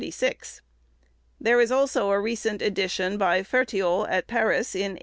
There is also a recent edition by Fertiault, at Paris, in 1842.